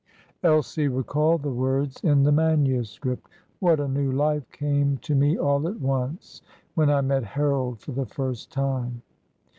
Elsie recalled the words in the manuscript, "What a new life came to me all at once when I met Harold for the first time!"